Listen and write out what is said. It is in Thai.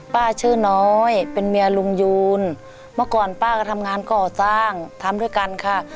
ป้าชื่อน้อยเป็นเมียลุงยูนเมื่อก่อนป้าก็ทำงานก่อสร้างทำด้วยกันค่ะ